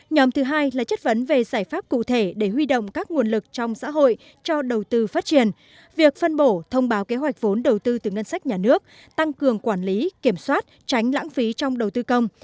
nhóm thứ hai là chất vấn về giải pháp cụ thể để huy động các nguồn lực trong xã hội cho đầu tư phát triển việc phân bổ thông báo kế hoạch vốn đầu tư từ ngân sách nhà nước tăng cường quản lý kiểm soát tránh lãng phí trong đầu tư công